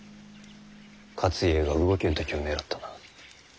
勝家が動けん時を狙ったな。